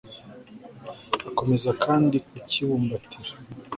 akomeza kandi kukibumbatira